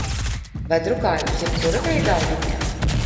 Vai drukājat uz jebkura veida audumiem?